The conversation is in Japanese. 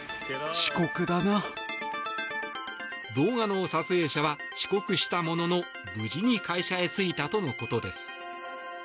動画の撮影者は遅刻したものの無事に会社へ着いたとのことです。